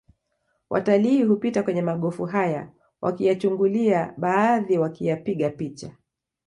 Watalii hupita kwenye magofu haya wakiyachungulia baadhi wakiyapiga picha